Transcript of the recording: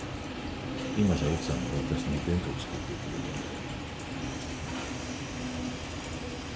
今じゃ奥さんが私に弁当を作ってくれるんだよ。